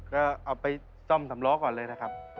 ก็เอาไปซ่อมสำล้อก่อนเลยนะครับ